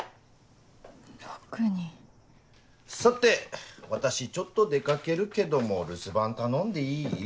さて私ちょっと出掛けるけども留守番頼んでいい？